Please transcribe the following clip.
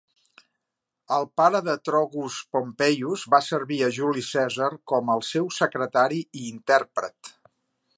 El pare de Trogus Pompeius va servir a Juli Cèsar com el seu secretari i intèrpret.